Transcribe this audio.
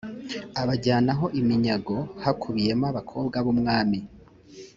abajyana ho iminyago hakubiyemo abakobwa b umwami